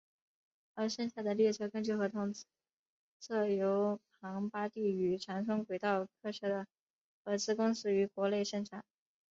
而剩下的列车根据合同则由庞巴迪与长春轨道客车的合资公司于国内生产。